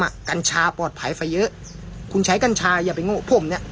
กัญชาปลอดภัยไปเยอะคุณใช้กัญชาอย่าไปโง่ผมเนี้ย